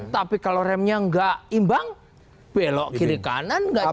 tapi kalau remnya nggak imbang belok kiri kanan nggak jauh